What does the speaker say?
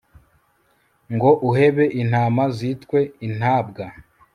ngo uhebe intama zitwe intabwa